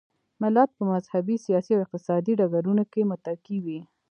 ملت په مذهبي، سیاسي او اقتصادي ډګرونو کې متکي وي.